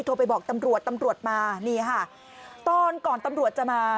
ไปบอกตำรวจตำรวจมานี่ค่ะตอนก่อนตำรวจจะมา